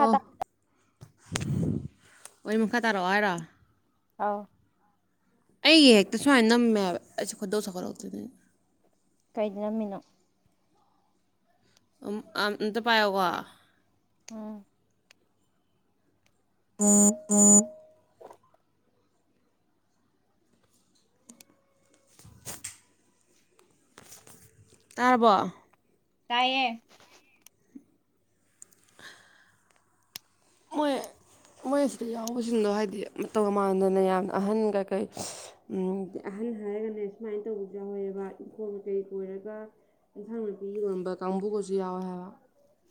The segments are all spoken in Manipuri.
ꯑꯣ ꯑꯣꯏ ꯃꯈꯥ ꯇꯥꯔꯛꯑꯣ ꯍꯥꯏꯔꯣ ꯀ ꯑ ꯑꯩꯒꯤ ꯍꯦꯛꯇ ꯁꯨꯃꯥꯏꯅ ꯅꯝꯃꯦꯕ ꯑꯩꯁꯨꯦ ꯈꯨꯗꯧ ꯁꯈꯠꯂꯛꯇꯣꯏꯔꯤꯅꯤꯅꯦ ꯀꯩꯗꯅꯃꯤꯅꯣ ꯑ ꯑ ꯑꯝꯇ ꯄꯥꯏꯌ‌ꯣꯀ‌ꯣ ꯑꯥ [inaudible] ꯇꯥꯔꯕꯣ ꯇꯥꯏꯌꯦ ꯃꯣꯏ ꯃꯣꯏ ꯑꯁꯤꯗ ꯌꯥꯎꯕꯁꯤꯡꯗꯣ ꯍꯥꯏꯗꯤ ꯃꯇꯧ ꯃꯥꯟꯗꯅ ꯌꯥꯝꯅ ꯑꯍꯟ ꯀꯩꯀꯩ ꯑꯍꯟ ꯍꯥꯏꯔꯒꯅꯦ ꯁꯨꯃꯥꯏꯅ ꯇꯧꯕꯁꯨ ꯌꯥꯎꯋꯦꯕ ꯏꯪꯈꯣꯜ ꯀꯩꯀꯩ ꯀꯣꯏꯔꯒ ꯏꯟꯁꯥꯡ ꯅꯥꯄꯤ ꯌꯣꯟꯕ ꯀꯥꯡꯕꯨꯒꯁꯨ ꯌꯥꯎꯋꯦ ꯍꯥꯏꯕ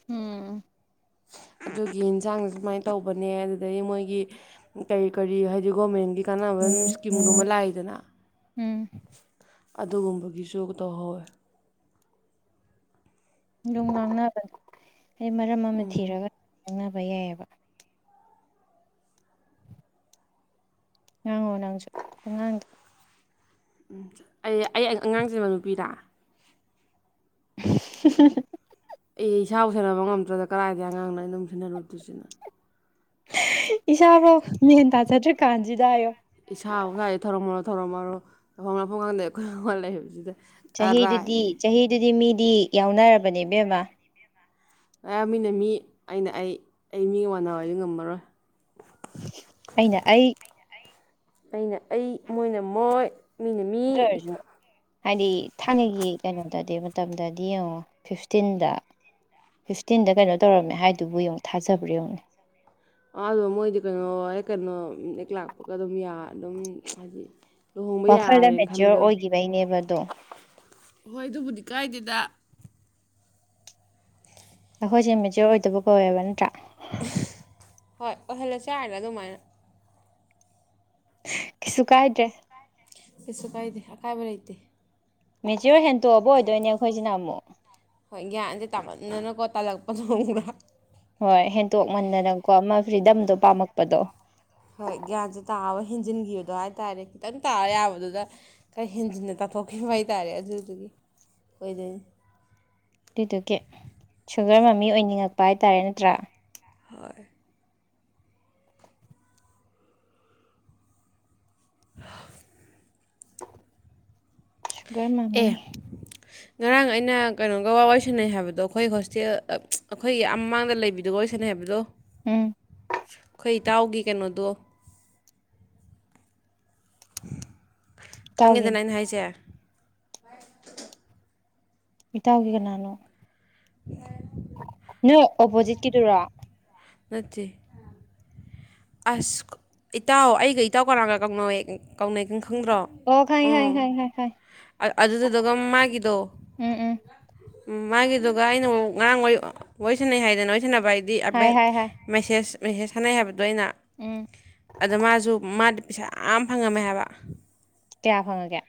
ꯎꯝ ꯑꯗꯨꯒꯤ ꯌꯦꯟꯁꯥꯡꯁꯦ ꯁꯨꯃꯥꯏꯅ ꯇꯧꯕꯅꯦ ꯑꯗꯨꯗꯒꯤ ꯃꯣꯏꯒꯤ ꯀꯔꯤ ꯀꯔꯤ ꯍꯥꯏꯗꯤ ꯒꯣꯔꯃꯦꯟꯒꯤ ꯀꯥꯟꯅꯕ ꯑꯗꯨ ꯏꯁꯀꯤꯝꯒꯨꯝꯕ ꯂꯥꯛꯏꯗꯅ ꯎꯝ ꯑꯗꯨꯒꯨꯝꯕꯒꯤꯁꯨ ꯇꯧꯍꯧꯋꯦ ꯑꯗꯨꯝ ꯉꯥꯡꯅꯕꯅꯦ ꯑꯩ ꯃꯔꯝ ꯑꯃ ꯊꯤꯔꯒ ꯉꯥꯡꯅꯕ ꯌꯥꯏꯌꯦꯕ ꯉꯥꯡꯉꯣ ꯅꯪꯁꯨ ꯄꯪꯉꯥꯡꯗ ꯎꯝ ꯑꯩ ꯑꯩ ꯑꯉꯥꯡꯆꯦꯟꯕ ꯅꯨꯄꯤꯔ ꯍꯝ ꯍꯝ ꯍꯝ ꯑꯩ ꯏꯁꯥꯕꯨ ꯁꯦꯟꯅꯕ ꯉꯝꯗ꯭ꯔꯗ ꯀꯗꯥꯏꯗ ꯑꯉꯥꯡꯅꯣ ꯑꯩꯅ ꯑꯃꯨꯛ ꯁꯦꯟꯅꯔꯨꯗꯣꯏꯔꯤꯁꯤꯅ ꯏꯁꯥꯕꯧ ꯃꯦꯟ ꯇꯥꯖꯗ꯭ꯔꯤꯀꯥꯟꯁꯤꯗ ꯍꯥꯏꯌꯣ ꯏꯁꯥꯕꯧ ꯁꯨꯋꯥꯏꯗ ꯊꯔꯣꯃꯔꯣ ꯊꯔꯣꯃꯔꯣ ꯇꯧꯐꯝ ꯂꯥꯛꯐꯝ ꯈꯪꯗꯦ ꯀꯣꯏꯎꯪ ꯎꯪꯉ ꯂꯩꯔꯕꯁꯤꯗ ꯆꯍꯤꯗꯨꯗꯤ ꯆꯍꯤꯗꯨꯗꯤ ꯃꯤ ꯗꯤ ꯌꯥꯎꯅꯔꯕꯅꯦ ꯏꯕꯦꯝꯃ ꯑꯌꯥꯝ ꯃꯤꯅ ꯃꯤ ꯑꯩꯅ ꯑꯩ ꯑꯩ ꯃꯤꯒ ꯃꯥꯟꯅꯩ ꯍꯥꯏꯗꯤ ꯉꯝꯃꯔꯣꯏ ꯑꯩꯅ ꯑꯩ ꯑꯩꯅ ꯑꯩ ꯃꯣꯏꯅ ꯃꯣꯏ ꯃꯤꯅ ꯃꯤ ꯑꯗꯨ ꯑꯣꯏꯔꯁꯨ ꯍꯥꯏꯗꯤ ꯊꯥꯏꯅꯒꯤ ꯀꯩꯅꯣꯗꯗꯤ ꯃꯇꯝꯗꯗꯤ ꯌꯦꯡꯉꯣ ꯐꯤꯐꯇꯤꯟꯗ ꯐꯤꯐꯇꯤꯟꯗ ꯀꯩꯅꯣ ꯇꯧꯔꯝꯃꯦ ꯍꯥꯏꯗꯨꯕꯨ ꯌꯦꯡꯉꯣ ꯊꯥꯖꯕ꯭ꯔꯥ ꯌꯦꯡꯉꯣꯅꯦ ꯑꯣ ꯃꯣꯏꯗꯤ ꯀꯩꯅꯣ ꯍꯦꯛ ꯀꯩꯅꯣ ꯍꯦꯛ ꯂꯥꯛꯄꯒ ꯑꯗꯨꯝ ꯌꯥ ꯑꯗꯨꯝ ꯍꯥꯏꯗꯤ ꯂꯨꯍꯣꯡꯕ ꯋꯥꯈꯜꯗ ꯌꯥꯔꯦꯅ ꯃꯦꯆꯤꯌꯣꯔ ꯈꯟꯕ ꯑꯣꯏꯈꯤꯕꯩꯅꯦꯕ ꯑꯗꯣ ꯍꯣꯏ ꯑꯗꯨꯕꯨꯗꯤ ꯀꯥꯏꯗꯦꯗ ꯑꯩꯈꯣꯏꯁꯦ ꯃꯦꯆ꯭ꯌꯣꯔ ꯑꯣꯏꯗꯕ ꯀꯧꯋꯦꯕ ꯅꯠꯇ꯭ꯔꯥ [unintelligible] ꯍꯣꯏ ꯑꯣꯏꯍꯜꯂꯁꯦ ꯍꯥꯏꯔ ꯑꯗꯨꯃꯥꯏꯅ ꯀꯩꯁꯨ ꯀꯥꯏꯗ꯭ꯔꯦ ꯀꯩꯁꯨ ꯀꯥꯏꯗꯦ ꯑꯀꯥꯏꯕ ꯂꯩꯇꯦ ꯃꯦꯆ꯭ꯌꯣꯔ ꯍꯦꯟ ꯇꯣꯛꯑꯕ ꯑꯣꯏꯗꯣꯏꯅꯦ ꯑꯩꯈꯣꯏꯁꯤꯅ ꯑꯃꯨꯛ ꯍꯣꯏ ꯒ꯭ꯌꯥꯟꯁꯦ ꯇꯥꯃꯟꯗꯅꯀꯣ ꯇꯜꯂꯛꯄꯗꯨ ꯈꯪꯕ꯭ꯔꯥ ꯍꯣꯏ ꯍꯦꯟꯇꯣꯛ ꯃꯟꯗꯅꯀꯣ ꯑꯃ ꯐ꯭ꯔꯤꯗꯝꯗꯣ ꯄꯥꯝꯃꯛꯄꯗꯣ ꯍꯣꯏ ꯒ꯭ꯌꯥꯟꯁꯦ ꯇꯥꯕ ꯍꯦꯟꯖꯤꯟꯈꯤꯕꯗꯣ ꯍꯥꯏ ꯇꯥꯔꯦ ꯈꯤꯇꯪ ꯇꯥꯕ ꯌꯥꯕꯗꯨꯗ ꯈꯔ ꯍꯦꯟꯖꯤꯟꯅ ꯇꯥꯊꯣꯛꯈꯤꯕ ꯍꯥꯏ ꯇꯥꯔꯦ ꯑꯗꯨꯗꯨꯒꯤ ꯑꯣꯏꯗꯣꯏꯅꯤ ꯑꯗꯨꯗꯨꯒꯤ ꯁꯨꯒꯔ ꯃꯃꯤ ꯑꯣꯏꯅꯤꯡꯉꯛꯄ ꯍꯥꯏꯇꯥꯔꯦ ꯅꯠꯇ꯭ꯔꯥ ꯍꯣꯏ [inaudible] ꯁꯨꯒꯔ ꯃꯃꯤ ꯑꯦ ꯉꯔꯥꯡ ꯑꯩꯅ ꯀꯩꯅꯣꯒ ꯋꯥꯔꯤ ꯋꯥꯔꯤ ꯁꯥꯟꯅꯩ ꯍꯥꯏꯕꯗꯣ ꯑꯩꯈꯣꯏ ꯍꯣꯁꯇꯦꯜ ꯑꯩꯈꯣꯏꯒꯤ ꯃꯃꯥꯡꯗ ꯂꯩꯕꯤꯗꯨꯒ ꯋꯥꯔꯤ ꯁꯥꯟꯅꯩ ꯍꯥꯏꯕꯗꯣ ꯎꯝ ꯍꯣꯏ ꯏꯇꯥꯎꯒꯤ ꯀꯩꯅꯣꯗꯣ ꯏꯇꯥꯎꯒꯤ ꯈꯪꯉꯤꯗꯅ ꯑꯩꯅ ꯍꯥꯏꯁꯦ [inaudible] ꯏꯇꯥꯎꯒꯤ ꯀꯅꯥꯅꯣ ꯅꯣꯏ ꯑꯣꯄꯣꯖꯤꯠꯀꯤꯗꯨꯔꯣ ꯅꯠꯇꯦ ꯑꯁ ꯏꯇꯥꯎ ꯑꯩꯒ ꯏꯇꯥꯎ ꯀꯅꯥꯒ ꯀꯧꯅꯩ [inaudible] ꯀꯧꯅꯩ ꯈꯪꯗ꯭ꯔꯣ ꯑꯣ ꯎ ꯈꯪꯉꯦ ꯈꯪꯉꯦ ꯈꯪꯉꯦ ꯈꯪꯉꯦ ꯈꯪꯉꯦ ꯑꯗꯨꯗꯨꯗꯨꯒ ꯃꯥꯒꯤꯗꯣ ꯎꯝ ꯎꯝ ꯎꯝ ꯃꯥꯒꯤꯗꯨꯒ ꯑꯩꯅ ꯉꯔꯥꯡ ꯋꯥꯔꯤ ꯋꯥꯔꯤꯁꯟꯅꯩ ꯍꯥꯏꯗꯅ ꯋꯥꯔꯤꯁꯟꯅꯕ ꯍꯥꯏ ꯗꯤ ꯑ [inaudible] ꯍꯥꯏ ꯍꯥꯏ ꯃꯦꯁꯦꯁ ꯃꯦꯁꯦꯁ ꯊꯅꯩ ꯍꯥꯏꯕ ꯗꯣ ꯑꯩꯅ ꯎꯝ ꯑꯗꯣ ꯃꯥꯁꯨ ꯃꯥꯗꯤ ꯄꯩꯁꯥ ꯌꯥꯝ ꯐꯪꯉꯝꯃꯦ ꯍꯥꯏꯕ ꯀꯌꯥ ꯐꯪꯉꯒꯦ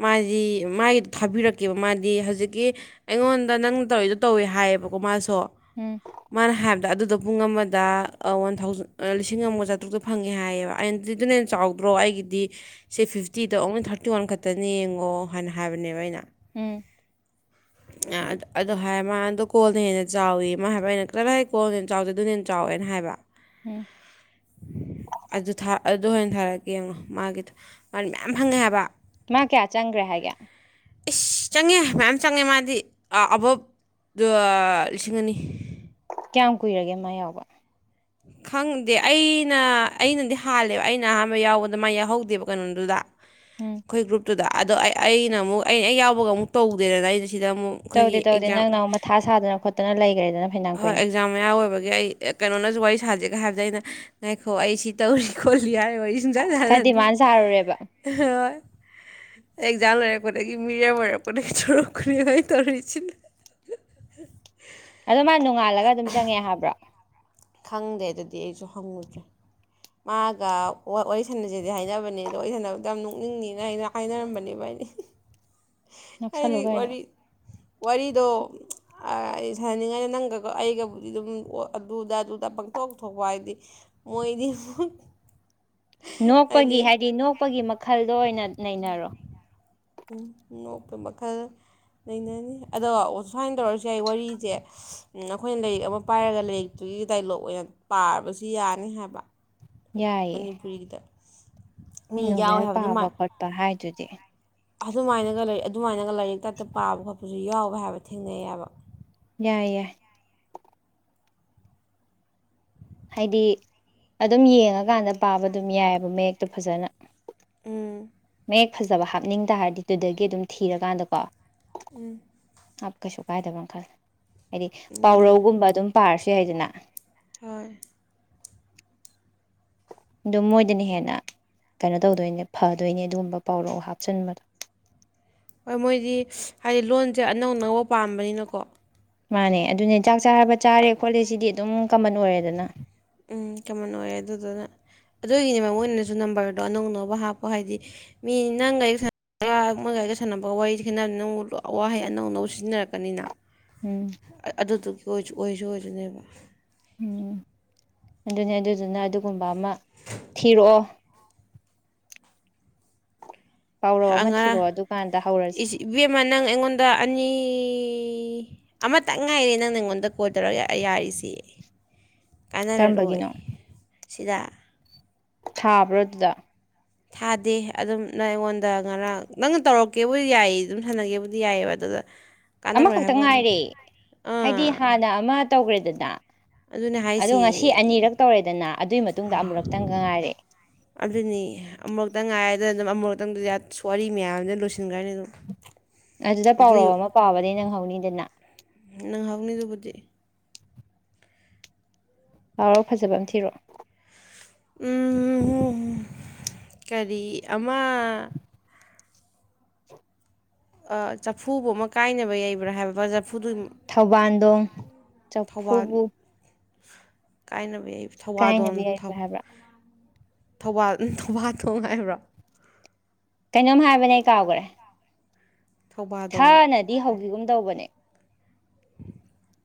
ꯃꯥꯁꯤ ꯃꯥꯒꯤꯗꯣ ꯊꯥꯕꯤꯔꯛꯀꯦꯕ ꯃꯥꯗꯤ ꯍꯧꯖꯤꯛꯀꯤ ꯑꯩꯉꯣꯟꯗ ꯅꯪꯅ ꯇꯧꯔꯤꯗꯣ ꯇꯧꯋꯦ ꯍꯥꯏꯌꯦꯕꯀꯣ ꯃꯥꯁꯨ ꯎꯝ ꯃꯅ ꯍꯥꯏ ꯑꯗ ꯑꯗꯨꯗ ꯄꯨꯡ ꯑꯃꯗ ꯋꯥꯟ ꯊꯥꯎꯖꯟ ꯂꯤꯁꯤꯡ ꯑꯃꯒ ꯆꯥꯇ꯭ꯔꯨꯛꯇ ꯐꯪꯉꯦ ꯍꯥꯏꯌꯦꯕ ꯑꯩꯅꯗꯤ ꯑꯗꯨꯅ ꯍꯦꯟꯅ ꯆꯥꯎꯗ꯭ꯔꯣ ꯑꯩꯒꯤꯗꯤ ꯁꯤ ꯐꯤꯐꯇꯤꯗ ꯑꯣꯡꯂꯤ ꯊꯥꯔꯇꯤ ꯋꯥꯟ ꯈꯛꯇ ꯇꯅꯦ ꯌꯦꯡꯉꯣ ꯍꯥꯏꯅ ꯍꯥꯏꯕꯅꯦꯕ ꯑꯩꯅ ꯎꯝ ꯑꯗ ꯍꯥꯏ ꯃꯥꯅ ꯀꯣꯜꯅ ꯍꯦꯟꯅ ꯆꯥꯎꯋꯤ ꯃꯥ ꯍꯥꯏꯕ ꯑꯩꯅ ꯀꯗꯥ ꯍꯥꯏ ꯀꯣꯜꯅ ꯍꯦꯟꯅ ꯆꯥꯎꯗꯩꯅꯣ ꯑꯗꯨꯅ ꯍꯦꯟꯅ ꯆꯥꯎꯋꯦꯅ ꯍꯥꯏꯕ ꯎꯝ ꯑꯗꯨ ꯊꯥ ꯑ ꯑꯗꯨ ꯑꯣꯏꯅ ꯊꯥꯔꯛꯀꯦ ꯌꯦꯡꯉꯣ ꯃꯥꯒꯤꯗꯣ ꯃꯥ ꯃꯌꯥꯝ ꯐꯪꯉꯦ ꯍꯥꯏꯕ ꯃꯥ ꯀꯌꯥ ꯆꯪꯒ꯭ꯔꯦ ꯍꯥꯏꯒꯦ ꯑꯁ ꯆꯪꯉꯦ ꯃꯌꯥꯝ ꯆꯪꯉꯦ ꯃꯥꯗꯤ ꯑ ꯑꯕꯞ ꯑ ꯂꯤꯁꯤꯡ ꯑꯅꯤ ꯀꯌꯥꯝ ꯀꯨꯏꯔꯒꯦ ꯃꯥ ꯌꯥꯎꯕ ꯈꯪꯗꯦ ꯑꯩꯅ ꯑꯩꯅꯗꯤ ꯍꯥꯜꯂꯦꯕ ꯑꯩꯅ ꯑꯍꯥꯟꯕ ꯌꯥꯎꯕꯗ ꯃꯥꯏ ꯌꯥꯎꯍꯧꯗꯦꯕ ꯀꯩꯅꯣꯗꯨꯗ ꯎꯝ ꯑꯩꯈꯣꯏ ꯒ꯭ꯔꯨꯞ ꯇꯨꯗ ꯑꯗꯣ ꯑꯩ ꯑꯩꯅ ꯑꯃꯨꯛ ꯑꯩꯅ ꯑꯩ ꯌꯥꯎꯕꯒ ꯑꯃꯨꯛ ꯇꯧꯗꯦꯗꯅ ꯑꯩꯩꯅ ꯇꯧꯗꯦ ꯇꯧꯗꯦ ꯅꯪꯅ ꯑꯃꯨꯛ ꯃꯊꯥ ꯁꯥꯗꯅ ꯈꯣꯠꯇꯅ ꯂꯩ ꯍꯣꯏ ꯑꯦꯛꯖꯥꯝ ꯃꯌꯥ ꯑꯣꯏꯕꯒꯤ ꯑꯩ ꯀꯩꯅꯣꯅꯁꯨ ꯋꯥꯔꯤ ꯁꯥꯖꯦ ꯍꯥꯏꯕꯗ ꯑꯩꯅ ꯉꯥꯏꯈꯣ ꯑꯩ ꯁꯤ ꯇꯧꯔꯤ ꯈꯣꯠꯂꯤ ꯍꯥꯏꯔ ꯋꯥꯔꯤ ꯁꯨꯡꯁꯥꯟ ꯈꯔ ꯁꯥꯟꯅꯗꯦ ꯗꯤꯃꯥꯟ ꯁꯥꯔꯨꯔꯦꯕ ꯍꯣꯏ ꯑꯦꯛ ꯖꯥꯝ ꯂꯣꯏꯔꯛ ꯄꯗꯒꯤ ꯃꯤꯔꯦꯝ ꯑꯣꯏꯔꯛ ꯄꯗꯒꯤ ꯇꯧꯔꯛꯄꯅꯦꯕ ꯑꯩ ꯇꯧꯔꯤꯁꯤꯅ ꯑꯗꯣ ꯃꯥ ꯅꯣꯡꯉꯥꯜꯂꯒ ꯑꯗꯨꯝ ꯆꯪꯉꯦ ꯍꯥꯏꯕ꯭ꯔꯣ ꯈꯪꯗꯦ ꯑꯗꯨꯗꯤ ꯑꯩꯁꯨ ꯍꯪꯉꯨꯗ꯭ꯔꯦ ꯃꯥꯒ ꯋꯥꯔꯤꯁꯟꯅꯁꯦꯗꯤ ꯍꯥꯏꯅꯕꯅꯦ ꯑꯗꯣ ꯋꯥꯔꯤꯁꯟꯅꯕꯗꯣ ꯌꯥꯝ ꯅꯣꯛꯅꯤꯡꯅꯤꯅ ꯑꯩꯅ ꯍꯥꯏꯅꯔꯝꯕꯅꯦꯕ ꯑꯩꯗꯤ ꯍꯥꯏꯗꯤ ꯅꯣꯛꯁꯜꯂꯨ ꯀꯩꯅꯣ ꯋꯥꯔꯤ ꯋꯥꯔꯤ ꯑꯗꯣ ꯑꯩ ꯁꯥꯟꯅꯅꯤꯡꯉꯥꯏ ꯅꯪꯒ ꯑꯩꯒꯕꯨꯗꯤ ꯑꯗꯨꯝ ꯑꯗꯨꯗ ꯗ ꯄꯪꯊꯣꯛ ꯊꯣꯛꯄ ꯍꯥꯏꯕꯗꯤ ꯃꯣꯏꯗꯤ ꯑꯃ ꯅꯣꯛꯄꯒꯤ ꯍꯥꯏꯗꯤ ꯅꯣꯛꯄꯒꯤ ꯃꯈꯜꯗ ꯑꯣꯏꯅ ꯅꯩꯅꯔꯣ ꯎꯝ ꯅꯣꯛꯄ ꯃꯈꯜ ꯂꯩꯅꯅꯤ ꯑꯗ ꯁꯨꯃꯥꯏꯅ ꯇꯧꯔꯁꯨ ꯌꯥ ꯑꯩ ꯋꯥꯔꯤꯁꯦ ꯑꯩꯈꯣꯏꯅ ꯂꯥꯏꯔꯤꯛ ꯑꯃ ꯄꯥꯏꯔꯒ ꯂꯥꯏꯔꯤꯛꯇꯨꯒꯤ ꯗꯥꯏꯂꯣꯛ ꯑꯣꯏꯅ ꯄꯥꯔꯕꯁꯨ ꯌꯥꯅꯤ ꯍꯥꯏꯕ ꯌꯥꯏꯌꯦꯦ ꯃꯅꯤꯄꯨꯔꯤꯒꯤꯗ ꯃꯤ ꯌꯥꯎꯋꯦ ꯏꯅꯣꯚꯦꯜ ꯍꯥꯏꯕ ꯄꯥꯕ ꯑꯗꯨꯃꯥꯏ ꯈꯣꯠꯄ ꯍꯥꯏꯗꯨꯗꯤ ꯆꯦ ꯑꯗꯨꯃꯥꯏꯅꯒ ꯂꯩ ꯑꯗꯨ ꯑꯗꯨꯃꯥꯏꯅꯒ ꯂꯥꯏꯔꯤꯛ ꯇꯇ ꯄꯥꯕ ꯈꯣꯠꯄ ꯑꯗꯨꯁꯨ ꯌꯥꯎꯕ ꯍꯥꯏꯕ ꯊꯦꯡꯅꯩꯑꯕ ꯌꯥꯏꯌꯦ ꯍꯥꯏꯗꯤ ꯑꯗꯨꯝ ꯌꯦꯡꯉꯀꯥꯟꯗ ꯄꯥꯕ ꯑꯗꯨꯝ ꯌꯥꯏꯑꯕ ꯃꯌꯦꯛꯇꯣ ꯐꯖꯅ ꯎꯝ ꯃꯦꯛ ꯐꯖꯕ ꯍꯥꯞꯅꯤꯡ ꯇ ꯍꯥꯏꯔꯗꯤ ꯑꯗꯨꯗꯒꯤ ꯑꯗꯨꯝ ꯊꯤꯔꯀꯥꯟꯗꯀꯣ ꯎꯝ ꯍꯥꯞ ꯀꯩꯁꯨ ꯀꯥꯏꯗꯕ ꯈꯜꯂ ꯍꯥꯏꯗꯤ ꯌꯥꯏ ꯄꯥꯎꯔꯧꯒꯨꯝꯕ ꯑꯗꯨꯝ ꯄꯥꯔꯁꯤ ꯍꯥꯏꯗꯅ ꯍꯣꯏ ꯑꯗꯨꯣ ꯃꯣꯏꯗꯅ ꯍꯦꯟꯅ ꯀꯩꯅꯣ ꯇꯧꯗꯣꯏꯅꯦ ꯐꯗꯣꯏꯅꯦ ꯑꯗꯨꯒꯨꯝꯕ ꯄꯥꯎꯔꯥꯎ ꯍꯥꯞꯆꯤꯟꯕꯗꯣ ꯍꯣꯏ ꯃꯣꯏꯗꯤ ꯍꯥꯏꯗꯤ ꯂꯣꯟꯁꯦ ꯑꯅꯧ ꯑꯅꯧꯕ ꯄꯥꯝꯕꯅꯤꯅꯀꯣ ꯃꯥꯅꯦ ꯑꯗꯨꯅꯦ ꯆꯥꯛ ꯆꯥꯔꯕ ꯆꯥꯔꯦ ꯈꯣꯠꯂꯦ ꯁꯤꯗꯤ ꯑꯗꯨꯝ ꯀꯃꯟ ꯑꯣꯏꯔꯦꯗꯅ ꯎꯝ ꯀꯃꯟ ꯑꯣꯏꯔꯦ ꯑꯗꯨꯗꯨꯅ ꯑꯗꯨꯒꯤꯅꯦꯕ ꯃꯣꯏꯅꯅꯁꯨ ꯅꯝꯕꯔꯗꯣ ꯑꯅꯧ ꯑꯅꯧꯕ ꯍꯥꯞꯄꯣ ꯍꯥꯏꯗꯤ ꯃꯤ ꯅꯪ ꯒꯥꯔꯤꯒ ꯁꯥꯟꯔꯒ ꯃꯣꯏ ꯒꯥꯔꯤꯒ ꯁꯥꯟꯅꯕꯒ ꯋꯥꯔꯤ ꯈꯦꯠꯅꯕ ꯅꯪꯕꯨ ꯑꯋꯥꯍꯩ ꯑꯅꯧ ꯑꯅꯧꯕ ꯁꯤꯖꯤꯟꯅꯔꯛꯀꯅꯤꯅ ꯎꯝ ꯁꯨ ꯑꯣꯏꯁꯨ ꯑꯣꯏꯗꯣꯏꯅꯦꯕ ꯎꯝ ꯑꯗꯨꯅꯤ ꯑꯗꯨꯗꯨꯅ ꯑꯗꯨꯒꯨꯝꯕ ꯕꯥ ꯑꯃ ꯊꯤꯔꯛꯑꯣ ꯄꯥꯎꯔꯧ ꯑꯃ ꯑꯉ ꯊꯤꯔꯛꯑꯣ ꯑꯗꯨꯀꯥꯟꯗ ꯍꯧꯔꯁꯦ ꯏꯕꯦꯝꯃ ꯅꯪ ꯑꯩꯉꯣꯟꯗ ꯑꯅꯤ ꯑꯃꯇ ꯉꯥꯏꯔꯦ ꯅꯪ ꯅꯉꯣꯟꯗ ꯀꯣꯜ ꯇꯧꯔ ꯌꯥꯔꯤꯁ ꯀꯥꯟꯅꯔꯔꯣꯏ ꯀꯔꯝꯕꯒꯤꯅꯣ ꯁꯤꯗ ꯊꯥꯕ꯭ꯔꯖꯗ ꯊꯥꯗꯦ ꯑꯗꯨꯝ ꯅꯪ ꯑꯩꯉꯣꯟꯗ ꯉꯔꯥꯡ ꯅꯪꯅ ꯇꯧꯔꯛꯀꯦꯕꯨꯗꯤ ꯌꯥꯏ ꯑꯗꯨꯝ ꯁꯥꯟꯅꯒꯦꯕꯨꯗꯤ ꯌꯥꯏꯑꯕ ꯑꯗꯨꯗ ꯀꯥꯟꯅꯔꯣꯏ ꯑꯃꯈꯛꯇꯪ ꯍꯥꯏꯕ ꯋꯥꯅꯤꯗ ꯉꯥꯏꯔꯦ ꯍꯥꯏꯗꯤ ꯑꯥ ꯍꯥꯟꯅ ꯑꯃ ꯇꯧꯈ꯭ꯔꯦꯗꯅ ꯑꯗꯨꯅꯦ ꯑꯗꯣ ꯍꯥꯏꯁꯦ ꯉꯁꯤ ꯑꯅꯤꯔꯛ ꯇꯧꯔꯦꯗꯅ ꯑꯗꯨꯒꯤ ꯃꯇꯨꯡꯗ ꯑꯃꯨꯔꯛꯇꯪꯒ ꯉꯥꯏꯔꯦ ꯑꯗꯨꯅꯤ ꯑꯃꯨꯛꯇ ꯉꯥꯏꯗꯅ ꯑꯗꯨꯝ ꯑꯃ ꯈꯤꯇꯪ ꯋꯥꯔꯤ ꯃꯌꯥꯝꯅ ꯂꯣꯏ ꯑꯗꯨꯗ ꯄꯥꯎꯔꯧ ꯑꯃ ꯄꯥꯕꯅꯦ ꯅꯪ ꯍꯧꯅꯤꯗꯅ ꯅꯤ ꯗꯨꯕꯨꯗꯤ ꯍꯥꯎꯔꯥꯎ ꯐꯖꯕ ꯑꯃ ꯊꯤꯔꯛꯑꯣ ꯎꯝ ꯀꯔꯤ ꯃꯥ ꯑ ꯆꯐꯨꯕꯨ ꯑꯃ ꯀꯥꯏꯅꯕ ꯌꯩꯕ꯭ꯔꯥ ꯍꯥꯏꯕ ꯐꯖ ꯊꯧꯕꯥꯟꯗꯣꯡ ꯆꯐꯨꯕꯨ ꯀꯥꯏꯅ ꯑꯩ ꯊꯧꯋꯥꯗꯣꯟ ꯀꯥꯏꯅꯕ ꯌꯥꯏꯕ ꯊꯧ ꯍꯥꯏꯕ꯭ꯔꯥ ꯊꯧꯕꯥꯜ ꯊꯧꯕꯥꯟꯊꯣꯡ ꯍꯥꯏꯕ꯭ꯔꯣ? ꯀꯩꯅꯣꯝ ꯍꯥꯏꯕꯅꯦ ꯑꯩ ꯀꯥꯎꯒꯔꯦ꯫ ꯊꯧꯕꯥꯗꯣꯡ ꯊꯥꯅꯗꯤ ꯍꯧꯒꯤꯒꯨꯝ ꯇꯧꯕꯅꯦ꯫ [unintelligible]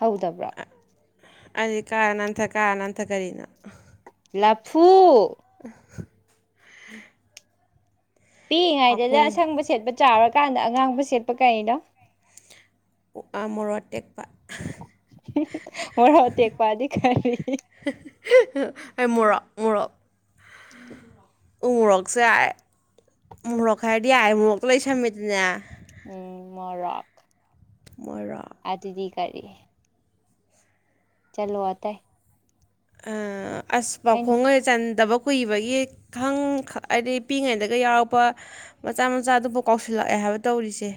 ꯍꯧꯗꯕ꯭ꯔꯣ? ꯑꯩꯗꯤ ꯀꯥꯔ ꯅꯥꯟꯊ ꯀꯥꯔ ꯅꯥꯟꯊ ꯀꯔꯤꯅꯣ? ꯂꯐꯨ꯫ [unintelligible] ꯄꯤꯛꯏꯉꯥꯢꯗꯗ ꯄꯥꯈꯣꯡ ꯑꯁꯪꯕ ꯁꯦꯠꯄ ꯆꯥꯎꯔꯀꯥꯟꯗ ꯑꯉꯥꯡꯕ ꯁꯦꯠꯄ ꯀꯔꯤꯅꯣ? ꯎ ꯑꯥ ꯃꯔꯣ ꯑꯇꯦꯛ [unintelligible] ꯃꯣꯔꯣꯛ ꯑꯇꯦꯛꯄꯗꯤ ꯈꯔꯤ? ꯃꯨꯔꯣꯛ [inaudible] ꯎ ꯃꯨꯔꯣꯛꯁꯦ ꯃꯨꯔꯣꯛ ꯍꯥꯏꯔꯗꯤ ꯌꯥꯔꯦ ꯃꯨꯔꯣꯛꯇ ꯂꯣꯢ ꯁꯝꯃꯦꯗꯅꯥ꯫ ꯎꯝ ꯃꯔꯥꯛ ꯃꯣꯏꯔꯥꯛ ꯇꯔꯤ ꯆꯜꯂ‌ꯣ ꯑꯥꯇꯥ ꯑ ꯑꯁ ꯄꯥꯎꯈꯣꯡꯒ ꯆꯟꯗꯕ ꯀꯨꯏꯕꯒꯤ ꯈꯪ ꯍꯥꯏꯗꯤ ꯄꯤꯛꯏꯉꯩꯗꯒ ꯌꯥꯎꯔꯛꯄ ꯃꯆꯥ ꯃꯆꯥꯗꯨꯕꯨ ꯀꯥꯎꯁꯤꯜꯂꯛꯑꯦ ꯍꯥꯏꯕ ꯇꯧꯔꯤꯁꯦ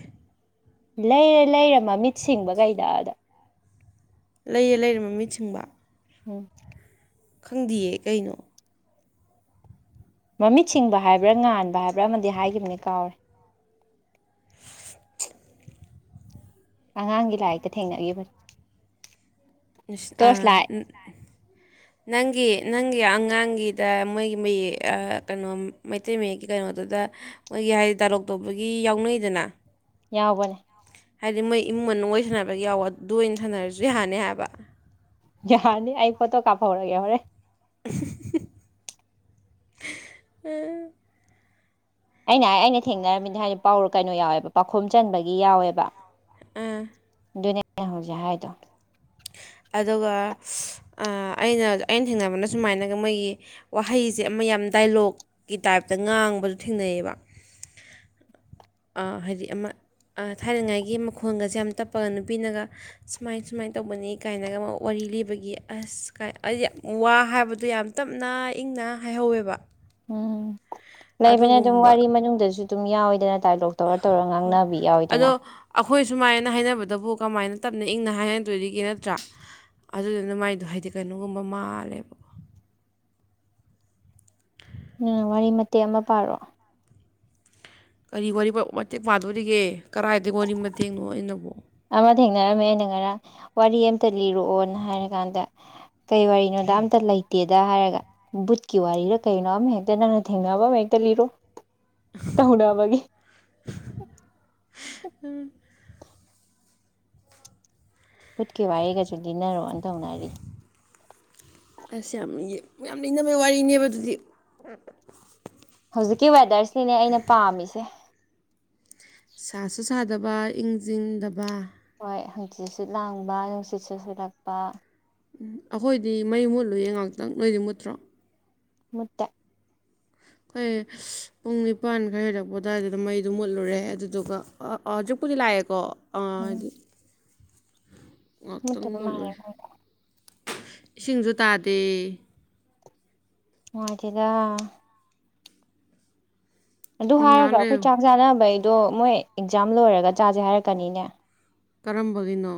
ꯂꯩꯔꯦ ꯂꯩꯔꯦ ꯃꯃꯤꯠ ꯁꯤꯡꯕ ꯀꯩꯗ ꯑꯗ ꯂꯩꯔ ꯂꯩꯔ ꯃꯃꯤꯠ ꯁꯤꯡꯕ ꯎꯝ ꯈꯪꯗꯤꯌꯦ ꯀꯩꯅꯣ ꯃꯃꯤꯠ ꯁꯤꯡꯕ ꯍꯥꯏꯕ꯭ꯔꯥ ꯉꯥꯟꯕ ꯍꯥꯏꯕ꯭ꯔꯥ ꯑꯃꯗꯤ ꯍꯥꯏꯈꯤꯕꯅꯦ ꯀꯥꯎꯔꯦ ꯑꯉꯥꯡꯒꯤ ꯂꯥꯏꯔꯤꯛꯇ ꯊꯦꯡꯅꯒꯤꯕꯅꯤ ꯅꯪꯒꯤ ꯅꯪꯒꯤ ꯑꯉꯥꯡꯒꯤꯗ ꯃꯣꯏꯒꯤ ꯃꯌꯦꯛ ꯀꯩꯅꯣ ꯃꯩꯇꯩ ꯃꯌꯦꯛꯀꯤ ꯀꯩꯅꯣꯗꯨꯗ ꯃꯣꯏꯒꯤ ꯍꯥꯏꯗꯤ ꯗꯥꯂꯣꯛ ꯇꯣꯧꯕꯒꯤ ꯌꯥꯎꯅꯩꯗꯅ ꯌꯥꯎꯕꯅꯦ ꯍꯥꯏꯗꯤ ꯃꯣꯏ ꯏꯃꯨꯡ ꯃꯅꯨꯡ ꯁꯥꯟꯅꯕꯒꯤ ꯌꯥꯎꯋ ꯑꯗꯨ ꯑꯣꯏꯅ ꯁꯥꯟꯅꯔꯁꯨ ꯌꯥꯅꯤ ꯍꯥꯏꯕ ꯌꯥꯔꯅꯤ ꯑꯩ ꯄꯣꯠꯇꯣ ꯀꯥꯐꯧꯔꯒꯦ ꯍꯔꯦ ꯑ ꯑꯩꯅ ꯍꯥꯏ ꯑꯩꯅ ꯊꯦꯡꯅꯔꯝꯃꯤꯅꯤ ꯍꯥꯏꯗꯤ ꯄꯥꯎ ꯀꯩꯅꯣ ꯌꯥꯎꯋꯦꯕ ꯄꯥꯈꯨꯝ ꯆꯟꯕꯒꯤ ꯌꯥꯎꯋꯦꯕ ꯑꯝ ꯑꯗꯨꯅꯦꯅꯦ ꯍꯧꯖꯤꯛ ꯍꯥꯏꯗꯣ ꯑꯗꯨꯒ ꯑꯩꯅ ꯑꯩꯅ ꯊꯦꯡꯅꯕꯅ ꯁꯨꯃꯥꯏꯅꯒ ꯃꯣꯏꯒꯤ ꯋꯥꯍꯩꯁꯦ ꯑꯃ ꯌꯥꯝ ꯗꯥꯏꯂꯣꯛꯀꯤ ꯇꯥꯏꯞꯇ ꯉꯥꯡꯕꯗ ꯊꯦꯡꯅꯩꯌꯦꯕ ꯍꯥꯏꯗꯤ ꯑꯃ ꯊꯥꯏꯅꯉꯥꯏꯒꯤ ꯃꯈꯣꯟꯒꯁꯦ ꯌꯥꯝ ꯇꯞꯄꯒ ꯅꯨꯄꯤꯅꯒ ꯁꯨꯃꯥꯏ ꯁꯨꯃꯥꯏꯅ ꯇꯧꯕꯅꯤ ꯀꯥꯏꯅꯒ ꯑꯃ ꯋꯥꯔꯤ ꯂꯤꯕꯒꯤ ꯑꯁ ꯀꯥꯏ ꯑꯩ ꯌꯥꯝ ꯋꯥ ꯍꯥꯏꯕꯗꯣ ꯌꯥꯝ ꯇꯞꯅ ꯏꯪꯅ ꯍꯥꯏꯍꯧꯋꯦꯕ ꯎꯝ ꯂꯩꯕꯅꯦ ꯑꯗꯨꯝ ꯑꯗꯨꯒꯨꯝꯕ ꯋꯥꯔꯤ ꯃꯅꯨꯡꯗꯁꯨ ꯑꯗꯨꯝ ꯌꯥꯎꯋꯦꯗꯅ ꯗꯥꯏꯂꯣꯛ ꯇꯧꯔ ꯇꯧꯔ ꯉꯥꯡꯅꯕꯤ ꯌꯥꯎꯋꯤꯗꯅ ꯑꯗꯣ ꯑꯩꯈꯣꯏ ꯁꯨꯃꯥꯏꯅ ꯍꯥꯏꯅꯕꯗꯕꯨ ꯀꯃꯥꯏꯅ ꯇꯞꯅ ꯏꯪꯅ ꯍꯥꯏꯅꯗꯣꯏꯔꯤꯒꯦ ꯅꯠꯇ꯭ꯔꯥ ꯑꯗꯨꯗꯨꯅ ꯃꯥꯏꯗꯣ ꯍꯥꯏꯗꯤ ꯀꯩꯅꯣꯒꯨꯝꯕ ꯃꯥꯜꯂꯦꯕꯀ ꯎ ꯋꯥꯔꯤ ꯃꯇꯦꯛ ꯑꯃ ꯄꯥꯔꯣ ꯀꯔꯤ ꯋꯥꯔꯤ ꯃꯇꯦꯛ ꯄꯥꯡꯗꯣꯔꯤꯒꯦ ꯀꯔꯥꯏꯗꯒꯤꯒꯣꯅꯤꯡ ꯃꯇ ꯊꯦꯡꯅꯣ ꯑꯩꯅꯣ ꯑꯃ ꯊꯦꯡꯅꯔꯝꯃꯦ ꯑꯩꯅ ꯉꯔꯥꯡ ꯋꯥꯔꯤ ꯑꯃꯇ ꯂꯤꯔꯛꯑꯣꯅ ꯍꯥꯏꯔꯀꯥꯟꯗ ꯀꯩ ꯋꯥꯔꯤꯅꯣꯗ ꯑꯝꯇ ꯂꯩꯇꯦꯗ ꯍꯥꯏꯔꯒ ꯕꯨꯠꯀꯤ ꯋꯥꯔꯤꯗ ꯀꯅꯣ ꯑꯃꯍꯦꯛꯇ ꯅꯪꯅ ꯊꯦꯡꯅꯕ ꯑꯃ ꯍꯦꯛꯇ ꯂꯤꯔꯣ ꯇ ꯍꯨꯅ ꯑꯋꯥꯒꯦ ꯄꯨꯠꯀꯤꯦ ꯋꯥꯔꯤꯔꯒꯁꯨ ꯅꯔꯣ ꯑꯇ ꯎꯅꯔꯤ ꯑꯁ ꯌꯥꯝ ꯌꯥꯝ ꯂꯩꯅꯕꯩ ꯋꯥꯔꯤꯅꯦꯕ ꯑꯗꯨꯗꯤ ꯖꯤꯛꯀꯤꯋꯦꯗꯔ ꯁꯤꯅꯦ ꯑꯩꯅ ꯄꯥꯝꯃꯤꯁꯦ ꯁꯥ ꯆꯥꯗꯕ ꯏꯪ ꯆꯤꯡꯗꯕ ꯍꯣꯏ ꯍꯪꯆꯤꯠꯁꯨꯠ ꯂꯥꯡꯕ ꯅꯨꯡꯁꯤꯠ ꯁꯠꯁꯤꯠꯂꯛꯄ ꯎꯝ ꯑꯩꯈꯣꯏꯗꯤ ꯃꯩ ꯃꯨꯠꯂꯨꯌꯦ ꯉꯍꯥꯛꯇꯪ ꯂꯣꯏꯗꯤ ꯃꯨꯠꯇ꯭ꯔꯣ ꯃꯨꯠꯇ ꯑꯩꯈꯣꯏ ꯄꯨꯡ ꯅꯤꯄꯥꯟ ꯈꯔ ꯍꯦꯜꯂꯛꯄ ꯑꯗꯨꯋꯥꯏꯗꯨꯗ ꯃꯩꯗꯨꯣ ꯃꯨꯠꯂꯨꯔꯦ ꯑꯗꯨꯗꯨꯒ ꯍꯧꯖꯤꯛꯄꯨꯗꯤ ꯂꯥꯛꯑꯦꯀꯣ ꯑꯥ ꯃꯠꯇ ꯑꯗꯨ ꯃꯥ ꯏꯁꯤꯡꯁꯨ ꯇꯥꯗꯦ ꯃꯥꯇꯦꯗ ꯑꯗꯨ ꯉꯥꯏꯍꯥꯛ ꯍꯥꯏꯔꯒ ꯑꯩꯈꯣꯏ ꯂꯩꯌꯨ ꯆꯥꯛ ꯆꯥꯅꯕꯩ ꯑꯗꯣ ꯃꯣꯏ ꯑꯦꯛꯖꯥꯝ ꯂꯣꯏꯔꯒ ꯆꯥꯁꯦ ꯍꯥꯏꯔꯛꯀꯅꯤꯅꯦ ꯀꯔꯝꯕꯒꯤꯅꯣ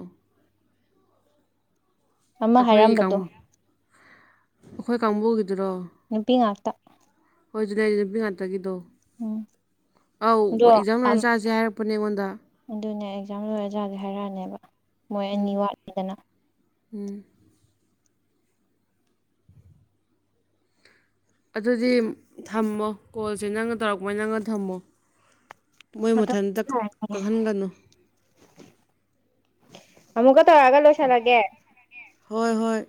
ꯑꯃ ꯑꯩꯈꯣꯏꯒꯤ ꯍꯥꯏꯔꯝꯕꯗꯣ ꯑꯩꯈꯣꯏ ꯀꯥꯡꯕꯨꯒꯤ ꯄ ꯉꯥ ꯠꯇ ꯍꯣꯏꯖꯤꯅꯦ ꯅꯨꯄꯤ ꯉꯥꯛꯇꯒꯤꯗꯣ ꯎꯝ ꯑꯧ ꯑꯗꯣ ꯑꯦꯛꯖꯥꯝ ꯂꯣꯏꯔ ꯆꯥꯁꯦ ꯍꯥꯏꯔꯛꯄꯅꯦ ꯑꯩꯉꯣꯟꯗ ꯑꯗꯨꯅꯦ ꯑꯦꯛꯖꯥꯝ ꯂꯣꯏꯔꯖꯥꯗꯤꯦ ꯍꯥꯏꯔꯛꯑꯅꯦꯕ ꯃꯣꯏ ꯋꯥꯠꯂꯤꯗ ꯎꯝ ꯑꯗꯨꯗꯤ ꯊꯝꯃꯣ ꯀꯣꯜꯁꯦ ꯅꯪꯒ ꯇꯧꯔꯛꯄꯩ ꯅꯪꯒ ꯊꯝꯃꯣ ꯃꯣꯏ ꯃꯊꯪ ꯃꯊꯟꯇ ꯀꯛꯍꯟꯒꯅꯨ ꯑꯃꯃꯛ ꯀ ꯇꯧꯔꯒ ꯂꯣꯏꯁꯜꯂꯒꯦ ꯍꯣꯏ ꯍꯣꯏ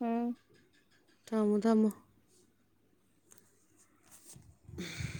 ꯎꯝ ꯊꯝꯃꯣ ꯊꯝꯃꯣ [unintelligible]